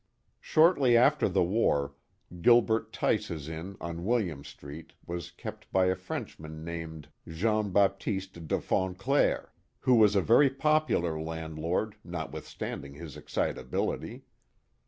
Shortly after the war, Gilbert Tice's Inn on Wil liam Street was kept by a Frenchman named Jean Baptiste de Fonclaire, who was a very popular landlord, notwithstanding his excitability.